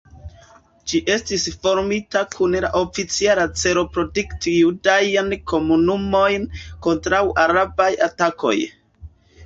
Ĝi estis formita kun la oficiala celo protekti judajn komunumojn kontraŭ arabaj atakoj.